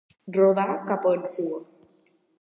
Rodar cap en cua.